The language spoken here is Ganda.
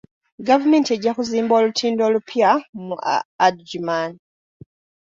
Gavumenti ejja kuzimba olutindo olupya mu Adjumani.